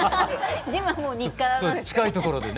ジムはもう日課なんですね。